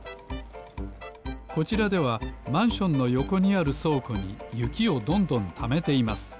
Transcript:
こちらではマンションのよこにあるそうこにゆきをどんどんためています